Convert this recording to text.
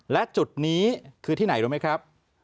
และจุดนี้คือที่ไหนรู้ไหมครับ